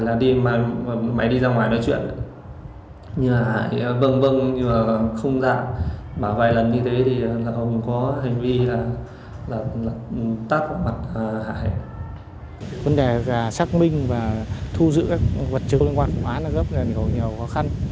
vấn đề xác minh và thu giữ các vật chứng liên quan hóa biến giúp nhiều khó khăn